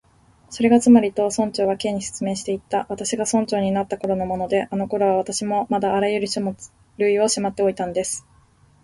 「それがつまり」と、村長は Ｋ に説明していった「私が村長になったころのもので、あのころは私もまだあらゆる書類をしまっておいたんです」